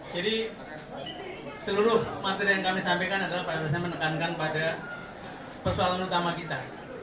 jadi seluruh materi yang kami sampaikan adalah pada dasarnya menekankan pada persoalan utama kita